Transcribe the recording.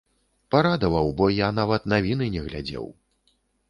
Парадаваў, бо я нават навіны не глядзеў.